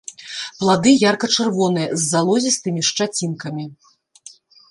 Плады ярка-чырвоныя, з залозістымі шчацінкамі.